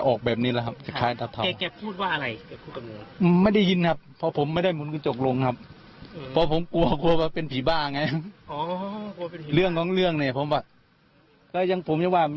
ออกแบบนี้แหละครับจะแกพูดว่าอะไร